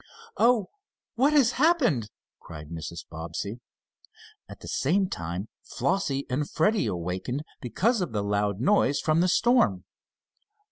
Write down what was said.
"Oh, what has happened?" cried Mrs. Bobbsey. At the same time Flossie and Freddie awakened, because of the loud noise from the storm.